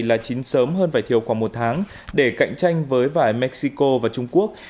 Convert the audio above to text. là chín sớm hơn vải thiều khoảng một tháng để cạnh tranh với vải mexico và trung quốc